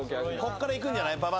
こっからいくんじゃない？